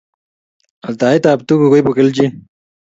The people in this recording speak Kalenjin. Ataet ab tuguk koibu keljin